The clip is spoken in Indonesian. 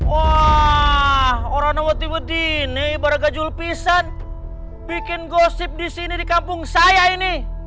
wah orangnya waktu ini ibarat gajul pisan bikin gosip disini dikabung saya ini